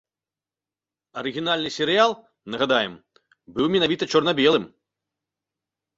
Арыгінальны серыял, нагадаем, быў менавіта чорна-белым.